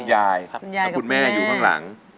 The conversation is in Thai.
ยายและคุณแม่อยู่ข้างหลัง